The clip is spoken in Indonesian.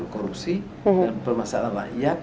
korupsi dan permasalahan rakyat